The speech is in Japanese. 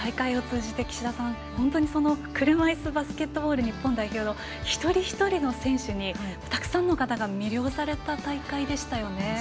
この大会を通じて車いすバスケットボール日本代表の一人一人の選手にたくさんの人が魅了された大会でしたよね。